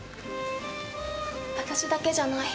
私だけじゃない。